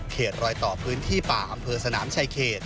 รอยต่อพื้นที่ป่าอำเภอสนามชายเขต